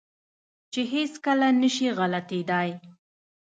چې هېڅ کله نه شي غلطېداى.